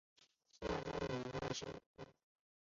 下周你那时有空